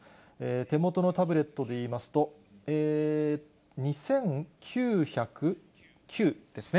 手元のタブレットで言いますと、２９０９ですね。